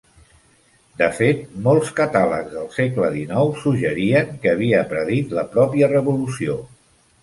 De fet, molts catàlegs del segle XIX suggerien que havia predit la pròpia Revolució.